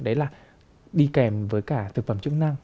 đấy là đi kèm với cả thực phẩm chức năng